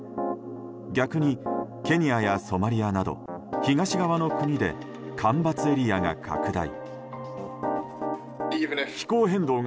逆に、ケニアやソマリアなど東側の国で干ばつエリアが拡大。